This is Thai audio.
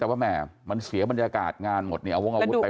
แต่ว่าแหม่มันเสียบรรยากาศงานหมดเนี่ยเอาวงอาวุธไป